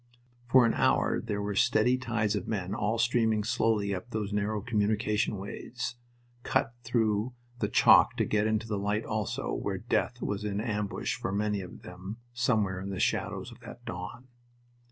For an hour there were steady tides of men all streaming slowly up those narrow communication ways, cut through the chalk to get into the light also, where death was in ambush for many of them somewhere in the shadows of that dawn.